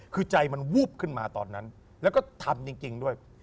คือใจมันวูบขึ้นมาตอนนั้นแล้วก็ทำจริงด้วย